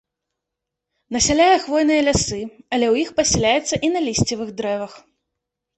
Насяляе хвойныя лясы, але ў іх пасяляецца і на лісцевых дрэвах.